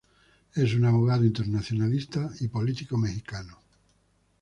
Es un abogado, internacionalista y político mexicano.